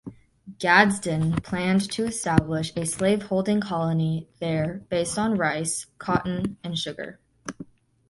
Gadsden planned to establish a slaveholding colony there based on rice, cotton, and sugar.